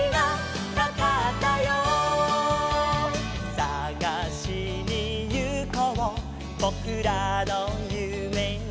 「さがしにゆこうぼくらのゆめを」